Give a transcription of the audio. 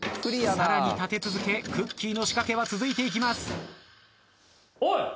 さらに立て続けくっきー！の仕掛けは続いていきます。